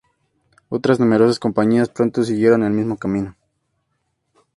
Otras numerosas compañías pronto siguieron el mismo camino.